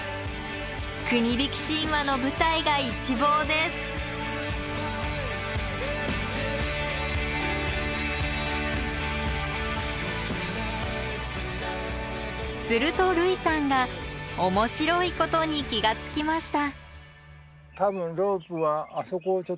国引き神話の舞台が一望ですすると類さんが面白いことに気が付きました